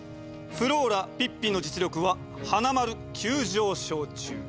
「フローラピッピの実力は花丸急上昇中。